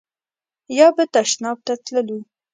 یا به تشناب ته تللو.